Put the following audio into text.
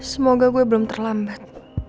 semoga gue belum terlambat